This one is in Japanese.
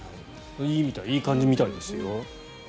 いい感じみたいですよ。